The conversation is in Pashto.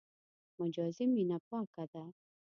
مجازي مینه پاکه ده.